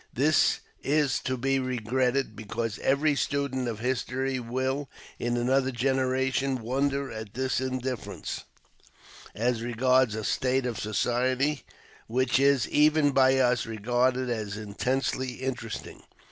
This is to be regretted, because every student of History will, in another generation, wonder at this indifference as regards a state of society which is, even by us, regarded as intensely interesting.